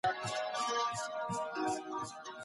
هغه وویل چې مسواک وهل سنت دي.